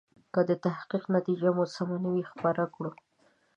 که د تحقیق نتیجه مو سمه نه وي خپره کړو.